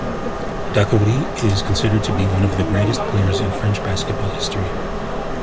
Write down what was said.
Dacoury is considered to be one the greatest players in French basketball history.